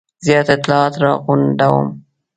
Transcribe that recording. زیات اطلاعات را غونډوم.